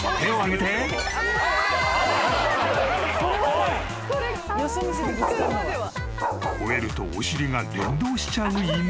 「はーい」［吠えるとお尻が連動しちゃう犬］